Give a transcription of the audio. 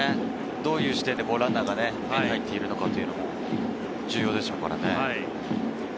どういう視点でランナーが目に入っているのかというのも重要でしょうからね。